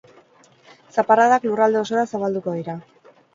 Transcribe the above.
Zaparradak lurralde osora zabalduko dira.